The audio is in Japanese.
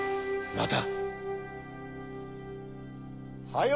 また！